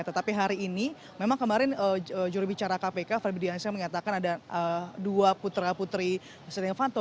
tetapi hari ini memang kemarin jurubicara kpk ferdiansyah mengatakan ada dua putra putri setia novanto